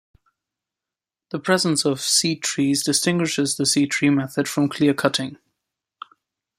The presence of seed trees distinguishes the seed-tree method from clearcutting.